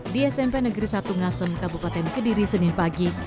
di smp negeri satu ngasem kabupaten kediri senin pagi